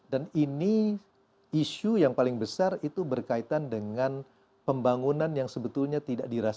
dan ini isu yang paling besar itu berkaitan dengan pembangunan yang sebetulnya tidak dirancang